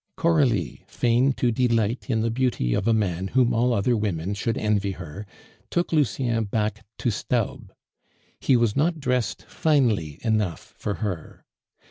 Coralie, fain to delight in the beauty of a man whom all other women should envy her, took Lucien back to Staub. He was not dressed finely enough for her.